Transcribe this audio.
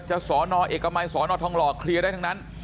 สอนอเอกมัยสอนอทองหล่อเคลียร์ได้ทั้งนั้น